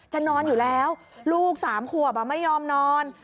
นอนอยู่แล้วลูก๓ขวบไม่ยอมนอน